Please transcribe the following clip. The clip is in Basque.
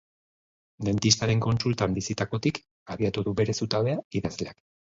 Dentistaren kontsultan bizitakotik abiatu du bere zutabea idazleak.